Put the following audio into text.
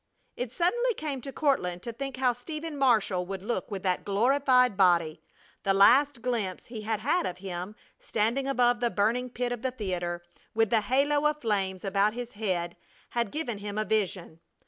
It suddenly came to Courtland to think how Stephen Marshall would look with that glorified body. The last glimpse he had had of him standing above the burning pit of the theater with the halo of flames about his head had given him a vision.